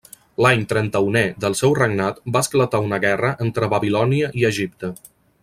L'any trenta-unè del seu regnat va esclatar una guerra entre Babilònia i Egipte.